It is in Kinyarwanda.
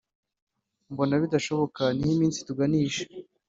Mbona bidashoboka niho iminsi ituganisha